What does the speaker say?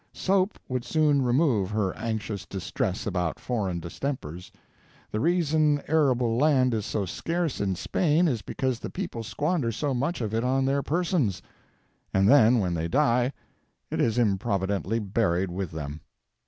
Soap would soon remove her anxious distress about foreign distempers. The reason arable land is so scarce in Spain is because the people squander so much of it on their persons, and then when they die it is improvidently buried with them.